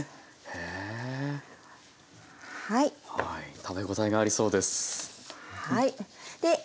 食べ応えがありそうです。